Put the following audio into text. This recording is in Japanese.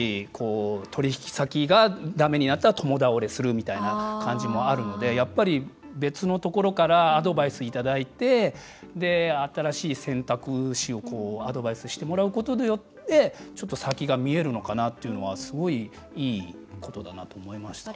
取引先がだめになったらだめになったら共倒れするみたいな感じもあるのでやっぱり別のところからアドバイスいただいて新しい選択肢をアドバイスしてもらうことによって先が見えるのかなというのはすごいいいことだなと思いました。